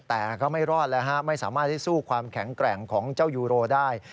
แต่ก็ไม่รอดแล้วฮะไม่สามารถที่สู้ความแข็งแกร่งของเจ้ายูโรได้